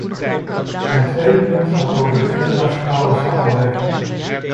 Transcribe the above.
Mijn tweede punt gaat over de internationale samenwerking.